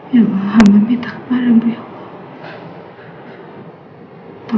ya allah hamba minta kepada ibu ya allah